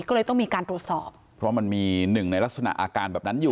ก็เลยต้องมีการตรวจสอบเพราะมันมีหนึ่งในลักษณะอาการแบบนั้นอยู่